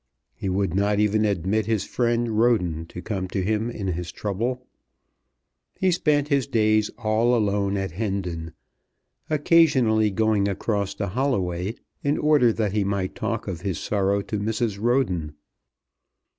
He would not even admit his friend Roden to come to him in his trouble. He spent his days all alone at Hendon, occasionally going across to Holloway in order that he might talk of his sorrow to Mrs. Roden.